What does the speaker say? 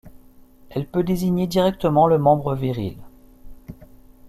Elle peut désigner directement le membre viril.